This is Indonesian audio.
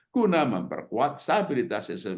guna memperkuat sektor ekonomi yang berbasis dari ini